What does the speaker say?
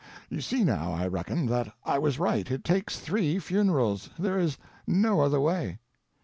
You see now, I reckon, that I was right; it takes three funerals, there is no other way."